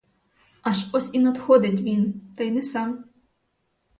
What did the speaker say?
Аж ось і надходить він та й не сам.